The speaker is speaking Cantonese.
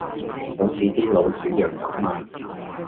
好似啲老鼠藥咁呀